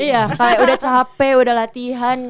iya kayak udah capek udah latihan